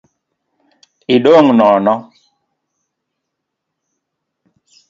Idong’ nono